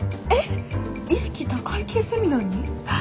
意識高い系セミナーに？らしいよ。